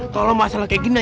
kalau masalah kayak gini